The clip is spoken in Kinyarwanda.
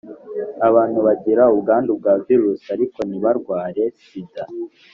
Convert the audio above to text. abantu bagira ubwandu bwa virusi ariko ntibarware sida